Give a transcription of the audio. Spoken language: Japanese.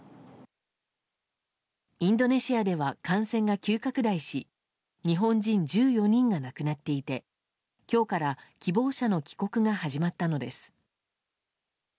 インドネシアでは感染が急拡大し日本人１４人が亡くなっていて今日から希望者の帰国が始まったのです。